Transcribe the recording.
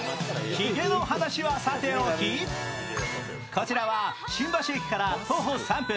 こちらは新橋駅から徒歩３分。